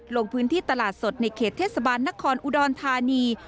ลงพื้นที่ตลาดสดในเขตเทศบาลนครอุดรธานี